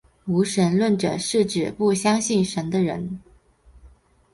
无神论者是指不相信神的人。